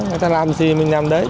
người ta làm gì thì mình làm đấy